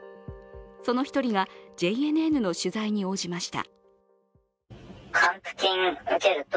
その一人がＪＮＮの取材に応じました。